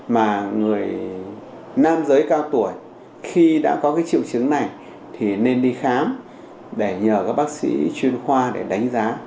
mà người nam giới cao tuổi khi đã có cái triệu chứng này thì nên đi khám để nhờ các bác sĩ chuyên khoa để đánh giá